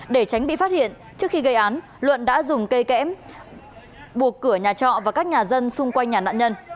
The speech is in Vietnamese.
để tránh bị phát hiện trước khi gây án luận đã dùng cây kẽm buộc cửa nhà trọ và các nhà dân xung quanh nhà nạn nhân